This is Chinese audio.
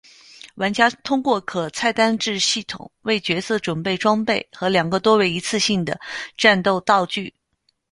玩家通过可菜单制系统为角色准备装备和两个多为一次性的战斗道具。